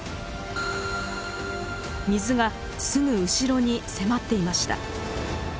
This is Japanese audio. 水がすぐ後ろに迫っていました。